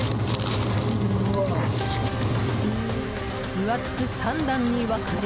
分厚く３段に分かれ。